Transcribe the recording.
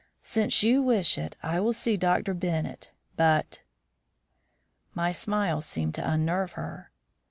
Since you wish it, I will see Dr. Bennett, but " My smile seemed to unnerve her.